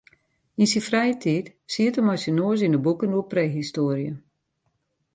Yn syn frije tiid siet er mei syn noas yn de boeken oer prehistoarje.